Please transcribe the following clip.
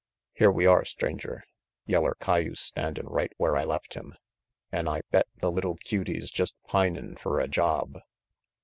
Here we are, Stranger, yeller cayuse standin' right where I left him an' I bet the little cutie's jest pinin' fer a job."